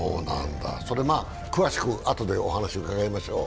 それは詳しくあとでお話を伺いましょう。